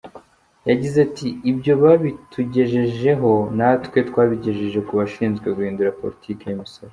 Yagize ati “Ibyo babitugejejeho natwe twabigejeje ku bashinzwe guhindura politike y’imisoro.